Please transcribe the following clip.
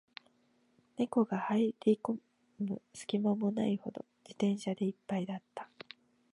猫が入る込む隙間もないほど、自転車で一杯だった